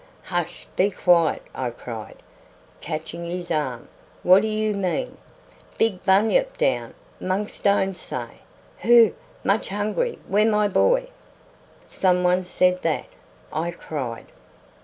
"Hush! be quiet!" I cried, catching his arm; "what do you mean?" "Big bunyip down 'mong stones say, `Hoo! much hungry; where my boy?'" "Some one said that?" I cried.